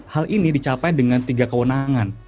hal ini dicapai dengan tiga kewenangan